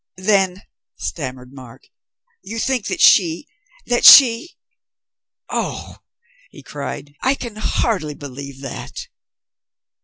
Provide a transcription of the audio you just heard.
"Then," stammered Mark, "you think that she that she Oh," he cried, "I can hardly believe that!"